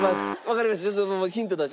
わかりました。